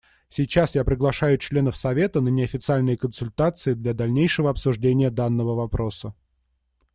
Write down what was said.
Сейчас я приглашаю членов Совета на неофициальные консультации для дальнейшего обсуждения данного вопроса.